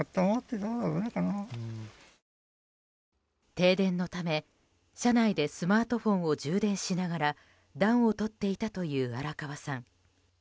停電のため、車内でスマートフォンを充電しながら暖を取っていたという荒川さん。